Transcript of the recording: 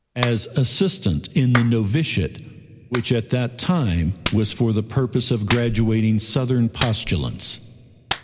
as assistant in the Novitiate, which at that time was for the purpose of graduating Southern postulants.